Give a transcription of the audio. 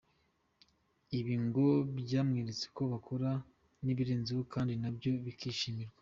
Ibi ngo byamweretse ko yakora n’ibirenzeho kandi nabyo bikishimirwa.